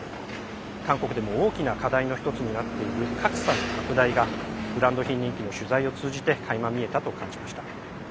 韓国でも大きな課題の一つになっている格差の拡大がブランド品人気の取材を通じてかいま見えたと感じました。